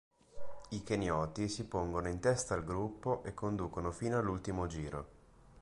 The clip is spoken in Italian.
I kenioti si pongono in testa al gruppo e conducono fino all'ultimo giro.